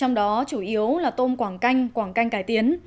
trong đó chủ yếu là tôm quảng canh quảng canh cải tiến